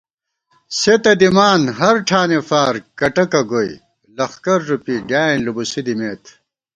سے تہ دِمان ہر ٹھانے فار کٹَکہ گوئے ، لخکر ݫُوپی ڈیائېن لُوبُوسی دِمېت